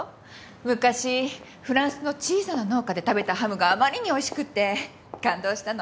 昔フランスの小さな農家で食べたハムがあまりにおいしくて感動したの。